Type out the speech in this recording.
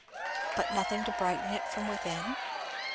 But nothing to brighten it from within?